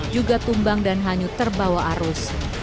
juga tumbang dan hanyut terbawa arus